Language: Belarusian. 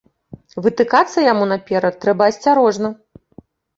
Вытыкацца яму наперад трэба асцярожна.